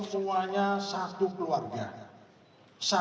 semuanya satu keluarga